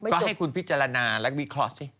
ก็ให้คุณพิจารณาและวิคลอสซิ